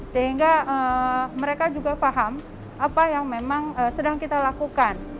sehingga mereka juga paham apa yang memang sedang kita lakukan